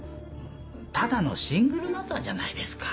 ただのシングルマザーじゃないですか。